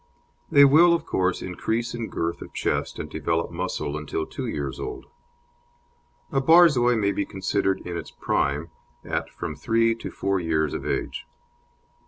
They will, of course, increase in girth of chest and develop muscle until two years old; a Borzoi may be considered in its prime at from three to four years of age.